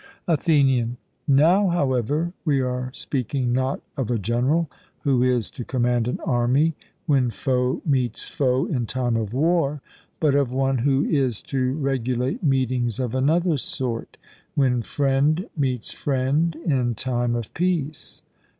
ATHENIAN: Now, however, we are speaking not of a general who is to command an army, when foe meets foe in time of war, but of one who is to regulate meetings of another sort, when friend meets friend in time of peace.